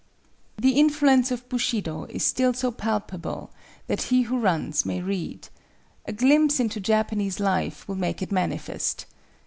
Y., 1900, 28.] The influence of Bushido is still so palpable that he who runs may read. A glimpse into Japanese life will make it manifest.